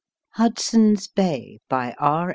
HUDSON S BAY BY R.